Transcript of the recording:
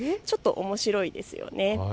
ちょっと、おもしろいですよね。